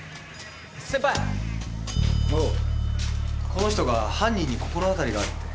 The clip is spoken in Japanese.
この人が犯人に心当たりがあるって。